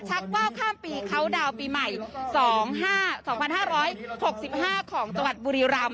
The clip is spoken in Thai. ชักว่าข้ามปีเคาน์ดาวปีใหม่๒๕๖๕ของจังหวัดบุรีรำ